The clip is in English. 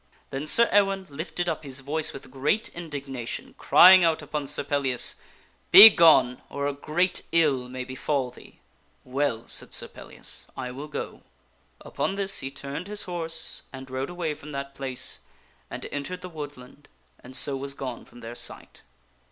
Then Sir Ewaine lifted up his voice with great indignation, crying out upon Sir Pellias, " Begone ! or a great ill may befall thee." " Well," said Sir Pellias, " I will go." Upon this he turned his horse and rode away from that place and entered the woodland and so was gone from their sight.